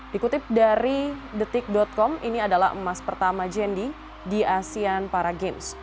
dikutip dari detik com ini adalah emas pertama jendi di asean para games